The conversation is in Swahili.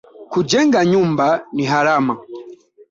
Kujenga nyumba ni harama